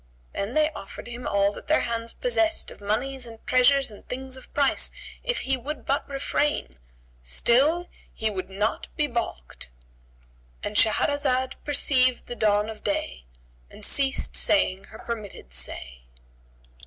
Then they offered him all that their hands possessed of monies and treasures and things of price, if he would but refrain; still he would not be baulked,—And Shahrazad perceived the dawn of day and ceased saying her permitted say.